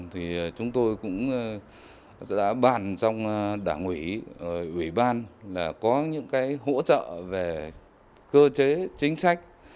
thì chúng tôi cũng đã bàn trong đảng ủy ủy ban là có những cái hỗ trợ về cơ chế chính sách